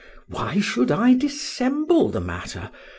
—Why should I dissemble the matter?